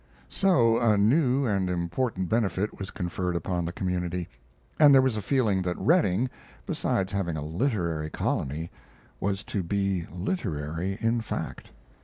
So a new and important benefit was conferred upon the community, and there was a feeling that Redding, besides having a literary colony, was to be literary in fact.